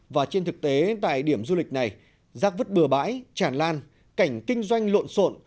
và trên thực tế tại điểm du lịch này rác vứt bừa bãi tràn lan cảnh kinh doanh lộn xộn